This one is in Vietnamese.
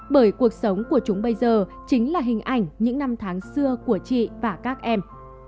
bởi cuộc sống của chúng bây giờ chính là hình ảnh những năm tháng xưa của chị và anh